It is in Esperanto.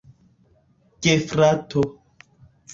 gefrato